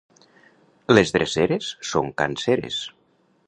Les dreceres són canseres.